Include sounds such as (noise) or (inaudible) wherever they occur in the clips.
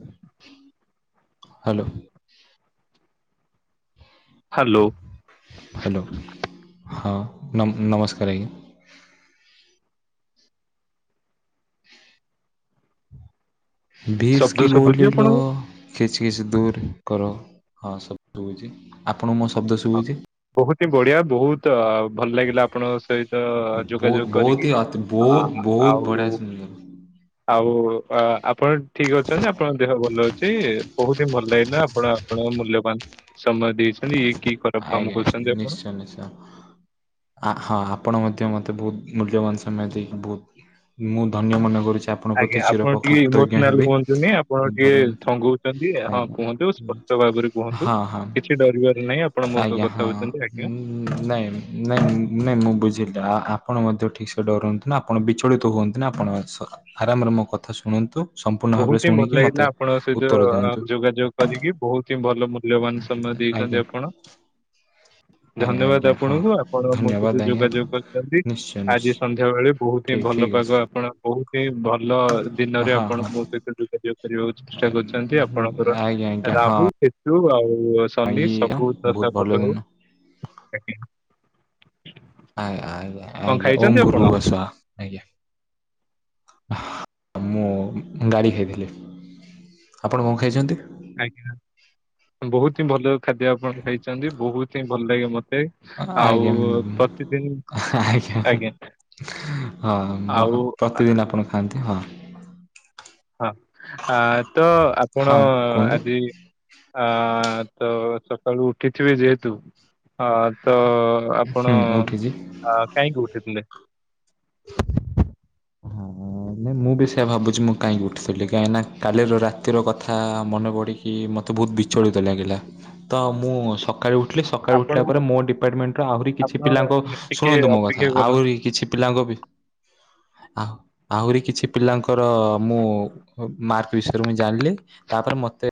ହୁଁ। (inaudible) Hello. Hello. Hello ହଁ ନମ ନମସ୍କାର ଆଜ୍ଞା। ଭିକ୍ସି ଶବ୍ଦ କି ଶୁଭୁଛି ଗୋଲୀ ଲୋ ଆପଣଙ୍କୁ? ଖିଚ ଖିଚ ଦୂର କରୋ। ହଁ ସବୁ ଶୁଭୁଛି, ଆପଣଙ୍କୁ ମୋ ଶବ୍ଦ ହଁ ଶୁଭୁଛି। ବହୁତ ହି ବଢିଆ, ବହୁତ ଭଲ ଲାଗିଲା ଆପଣଙ୍କ ସହିତ ବହୁତ ଯୋଗାଯୋଗ ବହୁତ କରିକି। ହି ଅତି ଆ ବହୁତ ବହୁତ ଆଉ ବଢ଼ିଆ ଶୁଣିଲେ। ଆଉ ଆପଣ ଠିକ ଅଛନ୍ତି, ଆପଣଙ୍କ ଦେହ ଭଲ ଅଛି, ବହୁତ ହିଁ ଭଲ ଲାଗିଲା ଆପଣ ଆପଣ ମୂଲ୍ୟବାନ ସମୟ ଦେଇଛନ୍ତି କି ଖରାପ କାମ ଆଜ୍ଞା କରୁଛନ୍ତି ଆପଣ। ନିଶ୍ଚୟ ନିଶ୍ଚୟ। ଆ ହଁ ଆପଣ ମଧ୍ୟ ମୋତେ ବହୁତ ମୂଲ୍ୟବାନ ସମୟ ଦେଇକି ବହୁତ ମୁଁ ଧନ୍ୟ ମନେ କରୁଛି। ଆପଣଙ୍କ ପ୍ରତି ଆଜ୍ଞା ଆପଣ ଟିକେ ଚିରକୃତଜ୍ଞ ଇମୋସନାଲ ହେବି ହୁଅନ୍ତୁନି, ଆପଣ ବହୁତ ଟିକେ ଭଲ ଥଙ୍ଗଉଛନ୍ତି, ହଁ ଆଜ୍ଞା। କୁହନ୍ତୁ? ଭଲ ଭାବରେ କୁହନ୍ତୁ, ହଁ ହଁ କିଛି ଡରିବାର ନାହିଁ ଆପଣ ମୋ ସହ ଆଜ୍ଞା କଥା ହଁ ହଉଛନ୍ତି ଆଜ୍ଞା। ନାଇଁ ନାଇଁ ନାଇଁ ମୁଁ ବୁଝିଲି ଆ ଆପଣ ମଧ୍ୟ ଠିକ ସେ ଡରନ୍ତୁ ନା। ଣ ଆପଣ ବିଚଳିତ ହୁଅନ୍ତୁ ନି, ଆପଣ ଆରାମରେ ମୋ କଥା ଶୁଣନ୍ତୁ। ସମ୍ପୂର୍ଣ୍ଣ ଭାବରେ ବହୁତ ହିଁ ଭଲ ଶୁଣିକି ଲାଗିଲା, ମୋତେ ଆପଣଙ୍କ ସହିତ ଉତ୍ତର ଦିଅନ୍ତୁ ଯୋଗାଯୋଗ କରିକି, ବହୁତ ହିଁ ଭଲ ମୂଲ୍ୟବାନ ସମୟ ଦେଇଛନ୍ତି ଆଜ୍ଞା ଆପଣ। ଆଜ୍ଞା ଧନ୍ୟବାଦ ଆଜ୍ଞା ହଁ ଆପଣଙ୍କୁ। ଆପଣ ମୋ ସହିତ ଧନ୍ୟବାଦ ଆଜ୍ଞା ଯୋଗାଯୋଗ କରିଛନ୍ତି, ନିଶ୍ଚୟ ଆଜି ନିଶ୍ଚୟ ସନ୍ଧ୍ୟାବେଳେ ବହୁତ ଠିକ୍ ଭଲ ଠିକ୍ ପାଗ, ଅଛି ଆପଣ ବହୁତ ହିଁ ଭଲ ଦିନରେ ହଁ ଆପଣ ହଁ ମୋ ସହିତ ଯୋଗାଯୋଗ କରିବାକୁ ଚେଷ୍ଟା କରୁଛନ୍ତି, ଆପଣଙ୍କର ଆଜ୍ଞା ଆଜ୍ଞା ହଁ ରାହୁ ଆଉ ସନି ଇଏ ସବୁ ବହୁତ ଦଫା ଭଲ ହଉ। ଦିନ ଆଜ୍ଞା ଆଜ୍ଞା ଆଜ୍ଞା କଣ ଆଜ୍ଞା। ଖାଇଛନ୍ତି ଓମ୍ ଭୁର ଆପଣ ଭୁବ ସ୍ୱା। ଆଜ୍ଞା ମୁଁ ଗାଳି ଖାଇଥିଲି, ଆପଣ କଣ ଖାଇଛନ୍ତି? ଆଜ୍ଞା, ବହୁତ ହିଁ ଭଲ ଖାଦ୍ୟ ଆପଣ ଖାଇଛନ୍ତି, ବହୁତ ହିଁ ଭଲ ଲାଗେ ମତେ। ଆଉ ଆଜ୍ଞା ପ୍ରତିଦିନ। ଆଜ୍ଞା ହଁ ମହ ଆଉ ପ୍ରତିଦିନ ଆପଣ ଖାଆନ୍ତି ହଁ। ହଁ ଆ ତ ଆପଣ ହଁ କୁହନ୍ତୁ ଆଜି ଆ ତ ସକାଳୁ ଉଠିଥିବେ ଯେହେତୁ ଆ ତ ହୁଁ ଆପଣ ଉଠିଛି। କାହିଁକି ଉଠିଥିଲେ? (unintelligible) ମୁଁ ବି ସେୟଆ ଭାବୁଛି ମୁଁ କାହିଁକି ଉଠିଥିଲି କାହିଁକି ନା କାଲିର ରାତିର କଥା ମନେ ପଡ଼ି କି ମୋତେ ବହୁତ ବିଚଳିତ ଲାଗିଲା ତ ମୁଁ ସକାଳୁ ଉଠି ଉଠିଲି ସକାଳୁ ଆପଣ ଉଠିଲା ପରେ ମୋ ଡିପାର୍ଟମେଣ୍ଟର ଆହୁରି କିଛି ଆପଣ ପିଲାଙ୍କ ଟିକେ ଶୁଣନ୍ତୁ ମୋ କଥା ଅପେକ୍ଷା କରନ୍ତୁ ଆହୁରି କିଛି ପିଲାଙ୍କ ବି ଆ ଆହୁରି କିଛି ପିଲାଙ୍କର ମୁଁ ମାର୍କ ବିଷୟରେ ମୁଁ ଜାଣିଲି ତାପରେ ମତେ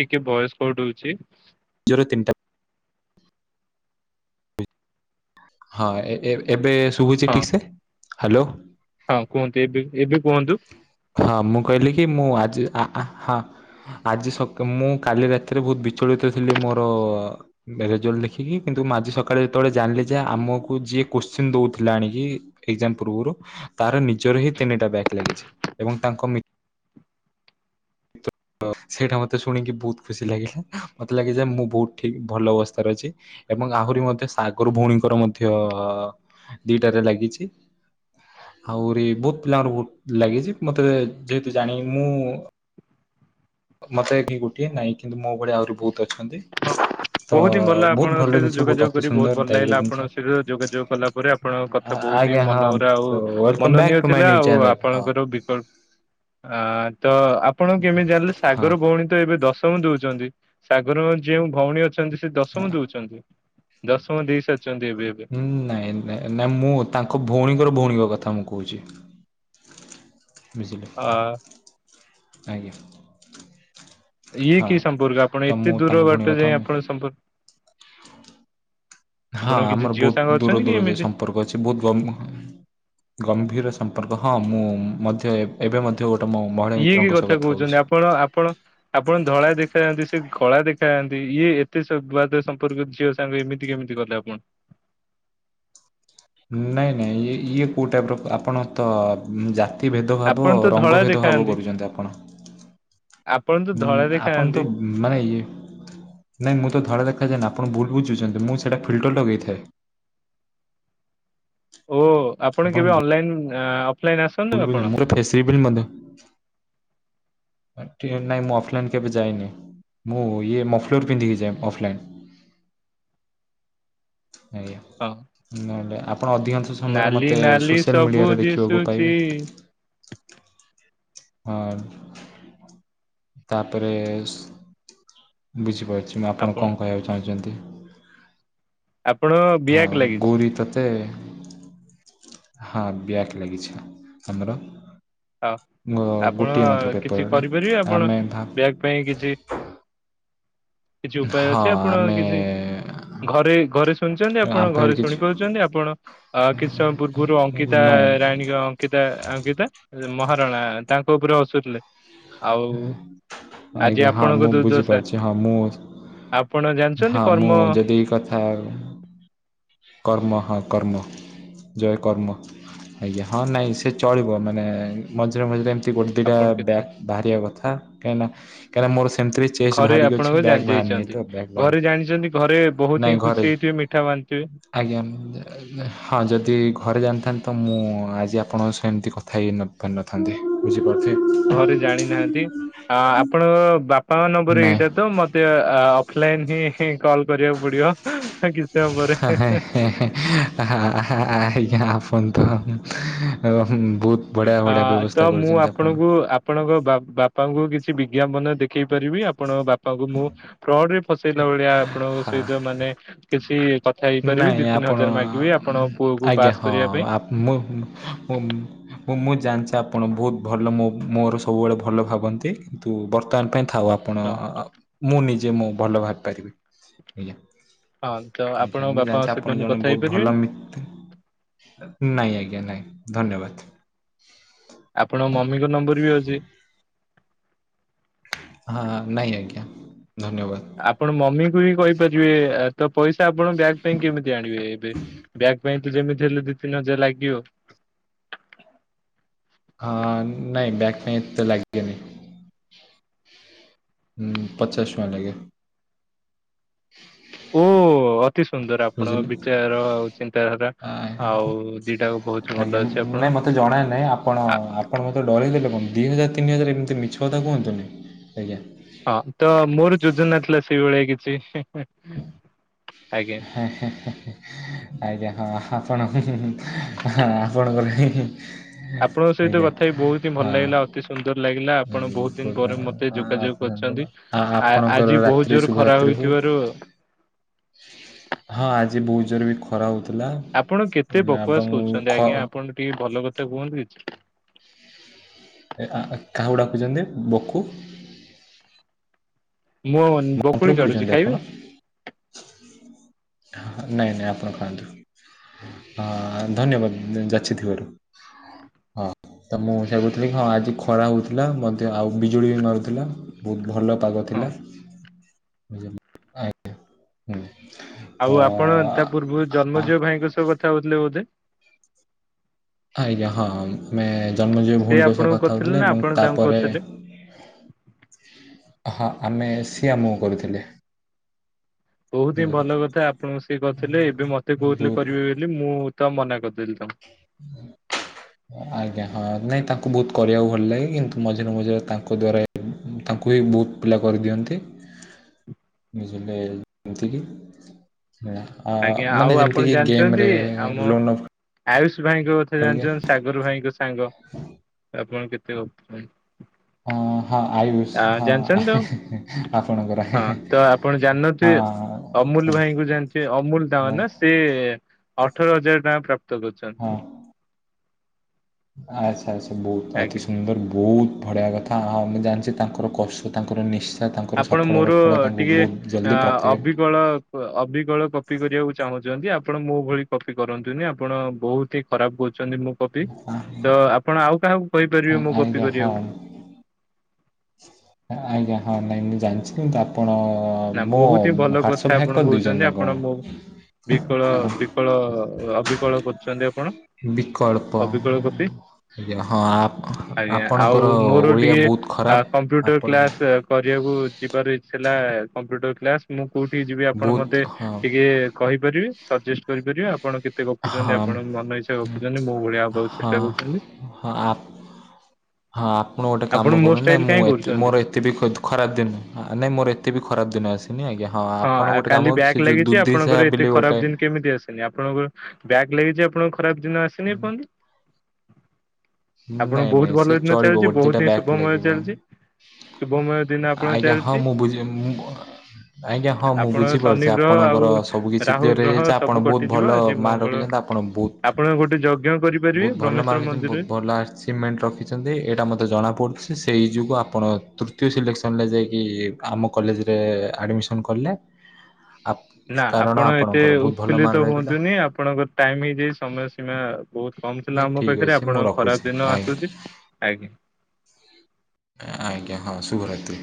ଟିକେ ଭଏସ କଟ୍ ହେଉଛି। ଜୋର ତିନିଟା ହଁ ଏବେ ଶୁଭୁଛି ହଁ। ଠିକ ସେ ହ୍ୟାଲୋ ହଁ କୁହନ୍ତୁ ଏବେ ଏବେ କୁହନ୍ତୁ ହଁ ମୁଁ କହିଲି କି ମୁଁ ଆଜି (unintelligible) ଆଜି ସକା ମୁଁ କାଲି ରାତିରେ ବହୁତ ବିଚଳିତ ଥିଲି ମୋର ରେଜଲ୍ଟ ଦେଖିକି କିନ୍ତୁ ଆଜି ସକାଳେ ଯେତେବେଳେ ଜାଣିଲେ ଯେ ଆମକୁ ଯିଏ କୋଶ୍ଚିନ୍ ଦଉଥିଲା ଆଣିକି ଏକ୍ସାମ ପୂର୍ବରୁ ତାର ନିଜର ହିଁ ତିନିଟା ବ୍ୟାକ୍ ଲାଗିଛି ଏବଂ ତାଙ୍କ ମିତ୍ର ସେଇଟା ମତେ ଶୁଣିକି ବହୁତ ଖୁସି ଲାଗିଲା ମତେ ଲାଗେ ଯେ ମୁଁ ବହୁତ ଠିକ ଭଲ ଅବସ୍ଥାରେ ଅଛି। ଏବଂ ଆହୁରି ମଧ୍ୟ ସାଗର ଭଉଣୀଙ୍କର ମଧ୍ୟ ଦିଟାରେ ଲାଗିଛି। ଆହୁରି ବହୁତ ପିଲାଙ୍କର ବହୁତ ଲାଗିଛି ମତେ ଯେହେତୁ ଜାଣି ମୁଁ ମତେ ଏ ଗୋଟିଏ ନାହିଁ କିନ୍ତୁ ମୋ ଭଳିଆ ଆହୁରି ବହୁତ ଅଛନ୍ତି। ତ ବହୁତ ହିଁ ଭଲ ବହୁତ ଆପଣ ସହିତ ଜିନିଷ ଯୋଗାଯୋଗ ଅତି କରି ବହୁତ ସୁନ୍ଦର ଭଲ ଦାୟକ ଲାଗିଲା ଜିନିଷ ଆପଣ ସହିତ ଯୋଗାଯୋଗ କଲା ପରେ। ଆପଣଙ୍କ କଥା ବହୁତ ହିଁ ଆଜ୍ଞା ହଁ ମନହରା ଆଉ ୱେଲକମ୍ ବ୍ୟାକ୍ ମନନୀୟ ଟୁ ମାଇ ଥିଲା ନ୍ୟୁ ଆଉ ଚ୍ୟାନେଲ ହଁ ଆପଣଙ୍କର ବିକଳ୍ପ ଆ ତ ଆପଣ କେମିତି ଜାଣିଲେ ହଁ। ସାଗର ଭଉଣୀ ତ ଏବେ ଦଶ (unintelligible) (unintelligible) ଦଉଛନ୍ତି ସାଗର ଯେଉଁ ଭଉଣୀ ଅଛନ୍ତି ସେ ଦଶମ ଦଉଛନ୍ତି। ଦଶମ ଦେଇ ସାରିଛନ୍ତି ଏବେ ଏବେ। ନାଇଁ ନାଇଁ ମୁଁ ତାଙ୍କ ଭଉଣୀଙ୍କର ଭଉଣୀଙ୍କ କଥା ମୁଁ କହୁଛି। (unintelligible) ହଁ ଆଜ୍ଞା। ଇଏ ହଁ। କି ସମ୍ପର୍କ ତ ଆପଣ ମୁଁ ଏତେ ଦୂର ତାଙ୍କ ଭଉଣୀ ବାଟ କଥା ଯାଇ ଆପଣ ସମ୍ପର୍କ ହଁ ଆପଣ କିଛି ଆମର ଝିଅ ସାଙ୍ଗ ବହୁତ ଦୂର ଅଛନ୍ତି କି ଦୂର ଏମିତି ସମ୍ପର୍କ ଅଛି। ବୋହୁତ ଗମ୍-ଗମ୍ଭୀର ସମ୍ପର୍କ ହଁ ମୁଁ ମଧ୍ୟ ଏ ଏବେ ମଧ୍ୟ ଗୋଟେ ମୁଁ ଇଏ କି କଥା କୋହୁଚନ୍ତି ଆପଣ ଆପଣ ଆପଣ ଧଳା ଦେଖାଯାଆନ୍ତି। ସେ କଳା ଦେଖାାଯାଆନ୍ତି ଇଏ ଏତେ ସର୍ବାଦ ସମ୍ପର୍କ ଝିଅ ତାଙ୍କୁ ଏମିତି କେମିତି କଲେ ଆପଣ? ନାଇଁ ନାଇଁ ଇଏ ଇଏ କୋଉ ଟାଇପର ଆପଣ ତ ଉଁ ଯା ତି ଭେଦଭାବ ଆପଣ ତ ଧଳା ରଙ୍ଗ ଭେଦଭାବ ଦେଖାଯାଆନ୍ତି କରୁଚନ୍ତି ଆପଣ। ଆପଣ ତ ଧଳା ଉଁ ଆପଣ ଦେଖାଯାଆନ୍ତି। ତ ମାନେ ଇଏ ନାଇଁ ମୁଁ ତ ଧଳା ଦେଖାଯାଏନି ଆପଣ ଭୁଲ ବୁଝୁଚନ୍ତି। ମୁଁ ସେଟା ଫିଲ୍ଟର ଲଗେଇଥାଏ। ଓ ଆପଣ କେବେ ଅନଲାଇନ୍ ଅଫଲାଇନ୍ ଆ ବୁଝିପାଇଲେନି (unintelligible) ସେହିପରି ମଧ୍ୟ। ଆ ଠିଆ ନାଇଁ ମୁଁ ଅଫଲାଇନ୍ କେବେ ଯାଇନି। ମୁଁ ଇଏ ମଫଲର୍ ପିନ୍ଧିକି ଯାଏ ଅଫଲାଇନ୍। ଆଜ୍ଞା। ହଁ। ନହେଲେ ଆପଣ ଅଧିକାଂଶ ସମୟରେ ନାଲି ମୋତେ ନାଲି ସୋସିଆଲ ସବୁ ମିଡିଆରେ ଦେଖିବାକୁ ଦିଶୁଛି ପାଇବେ। ହଁ ତାପରେ ବୁଝିପାରୁଚି ମୁଁ ଆପଣ କଣ କହିବାକୁ ଚାହୁଁଚନ୍ତି। ଆପଣ ହଁ ବ୍ୟାକ୍ ଲାଗିଛି। ଗୌରି ତତେ ହଁ ବ୍ୟାକ୍ ଲାଗିଚି ଆମର। ହଁ ମୋ ଆପଣ ଗୋଟିଏ ମାତ୍ର କିଛି ପେପରରେ କରିପାରିବେ ଆପଣ ଆମେ ଭା ବ୍ୟାକ୍ ପାଇଁ କିଛି କିଛି ଉପାୟ ହଁ ଅଛି ଆପଣଙ୍କ ଆମେ କିଛି ଘରେ ଘରେ ଶୁଣିଚନ୍ତି ଆମ ଆପଣ ପାଖରେ ଘରେ କିଛି ଶୁଣିପାରୁଚନ୍ତି ଆପଣ? ଆ କିଛି ସମୟ ପୂର୍ବରୁ ଅଙ୍କିତା ନାଇଁ ରାଣୀକ ଅଙ୍କିତା ଅଙ୍କିତା ମହାରଣା ତାଙ୍କ ଉପରେ ହସୁଥିଲେ। ଆଉ ଆଜି ଆଜ୍ଞା ହଁ ଆପଣଙ୍କ ମୁଁ ଦୁର୍ଦ୍ଦଶା। ବୁଝିପାରୁଛି ହଁ ମୁଁ ଆପଣ ଜାଣିଚନ୍ତି ହଁ ମୁଁ କର୍ମ ଯଦି ଏଇ କଥା କର୍ମ ହଁ କର୍ମ। ଜୟ କର୍ମ ଆଜ୍ଞା ହଁ ନାଇଁ ସେ ଚଳିବ ମାନେ ମଝିରେ ମଝିରେ ଏମି ତି ଗୋଟେ ଦିଇଟା ଆପଣ କେତେ ବ୍ୟାକ୍ ବାହାରିବା କଥା କାଇଁକି ନା କାଇଁକିନା ମୋର ସେମିତିବି ଚେଷ୍ଟ ଘରେ ବାହାରିକି ଅଛି ଆପଣଙ୍କ ଜାଣି ବ୍ୟାକ୍ ବାହାରିନି ଯାଇଛନ୍ତି। ତ ବ୍ୟାକ ଘରେ ଜାଣିଚନ୍ତି ଘରେ ବୋହୁତ ହିଁ ଖୁସି ହେଇଥିବେ ମିଠା ବାଣ୍ଟିଥିବେ। ଆଜ୍ଞା ଉଁ ଦେ ହଁ ଯଦି ଘରେ ଜାଣିଥାନ୍ତେ ତ ମୁଁ ଆଜି ଆପଣଙ୍କ ସହ ଏମିତି କଥା ହେଇନଥା ନ ଥାନ୍ତି ବୁଝିପାରୁଥିବେ। ଘରେ ଜାଣିନାହାନ୍ତି। ଆ-ଆପଣଙ୍କ ବାପାଙ୍କ ନମ୍ବର ନାଇଁ ଏଇଟା ତ ମତେ ଆ ଆ ଅଫଲାଇନ୍ ହିଁ କଲ୍ କରିବାକୁ ପଡିବ କିଛି ସମୟ ପରେ ହେଁ ହେଁ। ଆହା ଆହା ଆ ହେଇ ଆପଣ ତ (unintelligible) ବୋହୁତ ଆ ତ ମୁଁ ଆପଣଙ୍କୁ ଆପ୍ ଆପଣଙ୍କ ବା-ବାପାଙ୍କୁ କିଛି ବିଜ୍ଞାପନ ଦେଖେଇ ପାରିବି ଆପଣଙ୍କ ବା ପାଙ୍କୁ ମୁଁ ଫ୍ରଡରେ ଫସେଇଲା ଭଳିଆ ଆପଣଙ୍କ ହଁ ସହିତ ମାନେ କିଛି କଥା ହେଇପାରିବି ନାଇଁ ଦି ତିନି ଆପଣ ହଜାର ମାଗିବି ଆପଣଙ୍କ ପୁଅକୁ ପାସ୍ କରେଇବା ପାଇଁ। ମୁଁମ୍ ମୁଁମ୍ ମୁଁ ମୁଁ ଜାଣିଚି ଆପଣ ବୋହୁତ ଭଲ ମୋ ମୋର ସବୁବେଳେ ଭଲ ଭାବନ୍ତି। କିନ୍ତୁ ବର୍ତ୍ତମାନ ପାଇଁ ଥାଉ ଆପଣ ମୁଁ ନିଜେ ମୋ ଭଲ ଭାବିପାରିବି ଆଜ୍ଞା। ହଲ୍ ଆଜ୍ଞା ମୁଁ ଜାଣିଚି ଆପଣ ଜଣେ ବୋହୁତ ଭଲ ମିତ୍ ନାଇଁ ଆଜ୍ଞା ନାଇଁ ଧନ୍ୟବାଦ। ଆପଣ ମମିଙ୍କ ନମ୍ବର ବି ଅଛି। ହଁ ନାଇଁ ଆଜ୍ଞା ଧନ୍ୟବାଦ। ଆପଣ ମମିକୁ ବି କହିପାରିବେ ତ ପଇସା ଆପଣ ବ୍ୟାକ୍ ପାଇଁ କେମିତି ଆଣିବେ ଏବେ ବ୍ୟାକ୍ ପାଇଁ ତ ଯେମିତି ହେଲେ ଦି ତିନି ହଜାର ଲାଗିବ। ହଁ ନାଇଁ ବ୍ୟାକ୍ ପାଇଁ ଏତେ ଲାଗେନି। ହୁଁ ପଚାଶ ଟଙ୍କା ଲାଗିବ। ଉଁ ଅ କି ସୁନ୍ଦର ଆପଣଙ୍କ ବୁଝିଲେ। ବିଚାର ଆଉ ଚିନ୍ତାଧାରା ଆ, ଆଉ ଦିଟା ବୋହୁତ ଆଜ୍ଞା ନାଇଁ ମତେ ଜଣା ନାଇଁ ଆପଣ ଆପଣ ମ ତ ଡରେଇ ଦେଲେ କଣ ଦୁଇ ହଜାର ତିନି ହଜାର ଏମିତି ମିଛ କଥା କୁହନ୍ତୁନି ଆଜ୍ଞା। ହଁ ତ ମୋର ଯୋଜନା ଥିଲା ସେଇଭଳିଆ କିଛି ଆଜ୍ଞା। ହେଁ ହେଁ ହେଁ। ଆଜ୍ଞା ହଁ ଆପଣ ହୁଁ ହୁଁ ଆପଣଙ୍କର ହେଁ ହେଁ। ଆପଣଙ୍କ ସହିତ ଆଜ୍ଞା କଥା ହେଇ ବହୁତ ହିଁ ଭଲ ଲାଗିଲା ଅତି ସୁନ୍ଦର ଲାଗିଲା ହଁ ଆପଣ ବହୁତ ଦିନ ପରେ ମତେ ଯୋଗାଯୋଗ (unintelligible) ଆ କରିଛନ୍ତି। ଆ ଆଜି ଆପଣଙ୍କର ବହୁତ ରାତ୍ରି ଜୋର ଖରା ଶୁଭରାତ୍ରି ହଉ। ହୋଇଥିବାରୁ ହଁ ଆଜି ବହୁତ ଜୋରରେ ବି ଖରା ହଉଥିଲା। ଆପଣ କେତେ ଉଁ, ଏବଂ ବକବାସ୍ କରୁଚନ୍ତି ଖ ଆଜ୍ଞା ଆପଣ ଟିକେ ଭଲ କଥା କୁହନ୍ତୁ କିଛି। ଏ ଆ କାହାକୁ ଡାକୁଚନ୍ତି ବୋକୁ ମୁଁ ମନ୍ତ୍ର ବକୁଳି ପଢ଼ୁଛନ୍ତି କାଢୁଚି ଆପଣ ଖାଇବ। ନାଇଁ, ନାଇଁ ଆପଣ ଖାଆନ୍ତୁ। ହଁ ଧନ୍ୟବାଦ ଯାଚିଥିବାରୁ ହଁ। ତ (unintelligible) ହଁ ଆଜି ଖରା ହଉଥିଲା ମଧ୍ୟ ଆଉ ବିଜୁଳି ବି ମାରୁଥିଲା। ବହୁତ ଭଲ ପାଗ ହଁ ଥିଲା। ତ ଆଉ ଆପଣ ତା ପୂର୍ବରୁ ଆ- ଜନ୍ମଜୟ ଭାଇଙ୍କ ସହ କଥା ହଉଥିଲେ ବୋଧେ? ଆଜ୍ଞା, ହଁ। ଆମେ ଜନ୍ମଜୟ ସେ ଭଉଣୀଙ୍କ ସହ ଆପଣଙ୍କୁ କଥା କରିଥିଲେ ହଉଥିଲେ ନା ଏବଂ ଆପଣ ତାଙ୍କୁ ତାପରେ କରିଥିଲେ? ହଁ ଆମେ ସିଏ ଆମ କୁ କରୁଥିଲେ। ବହୁତ ହିଁ ବୁଝିଲେ ଭଲ କଥା ଆପଣଙ୍କୁ ସେ କରଥିଲେ, ଏବେ ମତେ କହୁଥିଲେ ବହୁତ କରିବେ ବୋଲି ମୁଁ ତ ମନା କରିଦେଲି ତା ଆଜ୍ଞା ହଁ ନାଇଁ ତାଙ୍କୁ ବହୁତ କରିବାକୁ ଭଲ ଲାଗେ କିନ୍ତୁ ମଝିରେ ମଝିରେ ତାଙ୍କ ଦ୍ଵାରା ତାଙ୍କୁ ହି ବହୁତ ପିଲା କରିଦିଅନ୍ତି। ନିଜେ (unintelligible) ତିକି ମେଳା ଆଜ୍ଞା ଅ ଆଉ ମାନେ ଆପଣ ଯେମିତିକି ଗେମ୍ ଜାଣିଛନ୍ତି ରେ ଆମ ଲୋନ୍ ଅଫ୍। ଆୟୁଷ ଭାଇଙ୍କ କଥା କରିକି ଜାଣିଛ ସାଗର ଭାଇଙ୍କ ସାଙ୍ଗ ଆପଣ କେତେ (unintelligible) ହଁ, ହଁ, ଆ ଆ ଜାଣିଛନ୍ତି ତ, ହଁ ତ ଆପଣ ଜାଣନଥିବେ ହଁ ଅମୁଲ ଭାଇଙ୍କୁ ଜାଣି ସେ ଅମୁଲ ନାଇଁ ଦାମନା ସେ ଅଠର ହଜାର ଟଙ୍କା ପ୍ରାପ୍ତ କରିଛନ୍ତି। ଆଛା, ଆଛା, ବହୁତ ଆଜ୍ଞା। ଅତି ସୁନ୍ଦର ବହୁତ ବଢିଆ କଥ ହଁ, ମୁଁ ଜାଣିଛି ତାଙ୍କର କଷ୍ ତାଙ୍କର ନିସ୍ ଆପଣ ମୋର ଟିକିଏ ଜଲ୍ଦି ଆଁ ପ୍ରାପ୍ତି ଅବିକଳ। ଅବିକଳ କପି କରିବାକୁ ଚାହୁଁଚନ୍ତି ଆପଣ ମୋ ଭଳି କପି କରନ୍ତୁନି ଆପଣ ବହୁତ ହିଁ ଖରାପ କହୁଛନ୍ତି ମୁଁ କପି ତ ଆପଣ ଆଉ କାହାକୁ କହିପାରିବେ ମୁଁ କପି ଆଜ୍ଞା ହଁ କରିବାକୁ। ଆଜ୍ଞା, ହଁ ନାଇଁ ମୁଁ ଜାଣିଛି କିନ୍ତୁ ଆପଣ ହଁ ନା ମୋ ବହୁତ ହିଁ ଭଲ କଥା ହ୍ୱାଟ୍ସଆପ୍ ଆପଣ ହ୍ୟାକ୍ କହୁଛନ୍ତି କରିଦେଇଛନ୍ତି ନା ଆପଣ କଣ? ମୋ ବିକଳ ଆ, ବିକଳ ଅବିକଳ କରିଛନ୍ତି ଆପଣ ବିକଳ୍ପ ଅବିକଳ କପି। ଆଜ୍ଞା ହଁ ଆପ- ଆଜ୍ଞା, ଆପଣଙ୍କର ଆଉ ମୋର ଓଡ଼ିଆ ଟିକେ ବହୁତ ଆ, ଖରାପ କମ୍ପ୍ୟୁଟର ଆପଣ କ୍ଲାସ୍ କରିବାକୁ ଯିବାର ଇଚ୍ଛାଥିଲା କମ୍ପ୍ୟୁଟର କ୍ଲାସ୍, ମୁଁ କୋଉଠିକି ଯିବି ଆପଣ ବହୁତ ମୋତେ ହଁ ଟିକେ କହିପାରିବେ ସଜେଷ୍ଟ କରିପାରିବେ ଆପଣ କେ ତେ ଗପୁଚନ୍ତି ହଁ ଆପଣ ମନ ଇଚ୍ଛା ଗପୁଚନ୍ତି, ମୋ ଭଳିଆ ହବାକୁ ଚେଷ୍ଟା କରୁଛନ୍ତି। ହଁ, ହଁ, ଆପଣ ଗୋଟେ କାମ ଆପଣ ମୋ କରୁ, ଷ୍ଟାଇଲ ନାଇଁ ମୁଁ କାହିଁ ଏତେ କରୁଛନ୍ତି? ମୋର ଏ ତେ ବି ଖତ୍ ଖରାପ ଦିନ ନାଇଁ ଆ, ନାଇଁ ମୋର ଏତେ ବି ଖରାପ ଦିନ ଆସି ସିନି ଆଜ୍ଞା ହଁ। ହଁ, ଆପଣ ଆଉ ଗୋଟେ କାମ କାଲି କରନ୍ତୁ, ସେ ବ୍ୟାକ୍ ଯୋଉ ଲାଗିଛି ଦୁଧିସା ଆପଣଙ୍କର ଏତେ ବୋଲି ଗୋଟେ ଖରାପ ଦିନ କେମିତି ଆସ କାଲି ଆପଣଙ୍କ ବ୍ୟାକ୍ ଲାଗିଚି ଆପଣଙ୍କ ଖରାପ ଦିନ ଆସିନି ଏପନ୍ତ? ଆପଣ ନାଇଁ ନାଇଁ ବହୁତ ସେ ଭଲ ଦିନ ଚଳିବ ଚାଲିଚି, ଗୋଟେ ଦିଟା ବହୁତ ହି ବ୍ୟାକ୍ ଶୁଭମୟ ଲାଗିବ ଚାଲିଚି। ଶୁଭମୟ ଦିନ ଆପଣଙ୍କ ଆଜ୍ଞା ହଁ ଚାଲିଛି। ମୁଁ ବୁଝି ମୁଁ ଆଜ୍ଞା ହଁ ଏ ମୁଁ ଆପଣଙ୍କ ବୁଝିପାରୁଛି ଶନି ଗ୍ରହ ଆପଣଙ୍କର ଆଉ, ସବୁ କିଛି ରାହୁ କ୍ଲିୟର ଗ୍ରହ ହେଇଯାଇଛି ଆପଣ ସବୁ ବହୁତ ଭଲ କଟିଯିବ, ଆଜି ମାର୍କ ମଙ୍ଗଳ ରଖିଛନ୍ତି ଆପଣ ବହୁତ ଆପଣ ଗୋଟେ ଯଜ୍ଞ କରିପାରିବେ, ବହୁତ ଭଲ ମାର୍କ ବ୍ରହ୍ମେସ୍ଵର ରଖିଛନ୍ତି ବହୁତ ମନ୍ଦିରରେ। ଭଲ ଆଚିଭମେଣ୍ଟ ରଖିଛନ୍ତି, ଏଇଟା ମୋତେ ଜଣା ପଡ଼ୁଛି, ସେହି ଯୋଗୁଁ ଆପଣ ତୃତୀୟ ସିଲେକ୍ସନ୍ ରେ ଯାଇକି ଏ ଆମ କଲେଜ୍ ରେ ଆଡ଼ମିସନ୍ କଲେ, ଆ ନା ଆପଣ ଏତେ ଉତ୍ଫୁଲ୍ଲିତ ରହିଥିଲା ହୁଅନ୍ତୁନି, ଆପଣଙ୍କର ଟାଇମ୍ ହେଇଯାଇ ସମୟ ସୀମା ବହୁତ କମ ଥିଲା ଯେ ଆମ ଠିକ୍ ପାଖରେ, ଅଛି ମୁଁ ଆପଣ ରଖୁଛି ଖରାପ ଦିନ ଆସୁଛି, ଆଜ୍ଞା। ଆଜ୍ଞା, ହଁ ଶୁଭ ରାତ୍ରୀ।